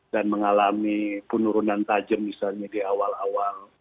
dan mengalami penurunan tajam misalnya di awal awal